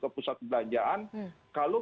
ke pusat pembelanjaan kalau